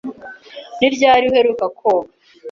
Ni ryari uheruka koga?